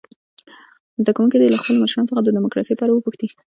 زده کوونکي دې له خپلو مشرانو څخه د ډموکراسۍ په اړه وپوښتي.